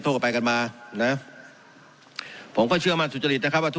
กันไปกันมานะผมก็เชื่อมั่นสุจริตนะครับว่าทุก